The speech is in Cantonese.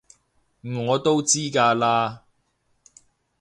我都知㗎喇